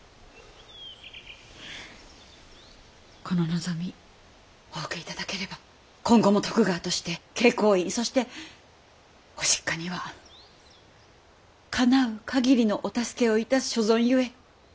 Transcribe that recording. この望みお受け頂ければ今後も徳川として慶光院そしてご実家にはかなう限りのお助けをいたす所存ゆえ。